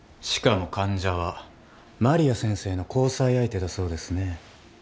しかも患者は麻里亜先生の交際相手だそうですね。